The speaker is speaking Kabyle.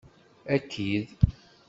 Aki-d!